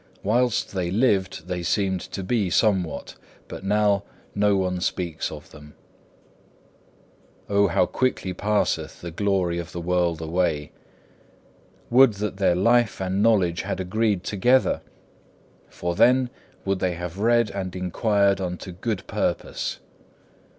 Whilst they lived they seemed to be somewhat, but now no one speaks of them. 6. Oh how quickly passeth the glory of the world away! Would that their life and knowledge had agreed together! For then would they have read and inquired unto good purpose.